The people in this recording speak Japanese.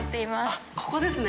あっここですね？